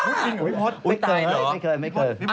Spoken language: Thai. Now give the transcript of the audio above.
อุ๊ยไม่เคยไม่เคย